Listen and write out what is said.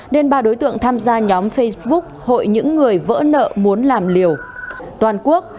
nên ba đối tượng tham gia nhóm facebook hội những người vỡ nợ muốn làm liều toàn quốc